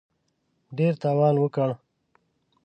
ډېر تاوان وکړ.